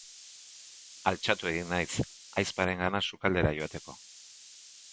Altxatu egin naiz, ahizparengana sukaldera joateko.